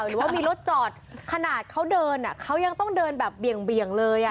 หรือว่ามีรถจอดขนาดเขาเดินเขายังต้องเดินแบบเบี่ยงเลย